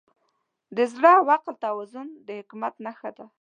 د زړه او عقل توازن د حکمت نښه ده.